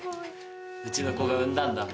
うちの子が産んだんだ。